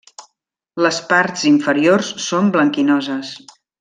Les parts inferiors són blanquinoses.